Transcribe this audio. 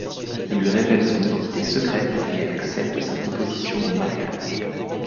Il lui révèle son identité secrète et elle accepte sa proposition de mariage.